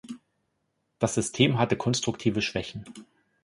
Das System hatte konstruktive Schwächen.